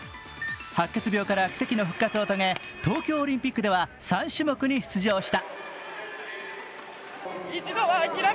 白血病から奇跡の復活を遂げ、東京オリンピックでは３種目に出場した。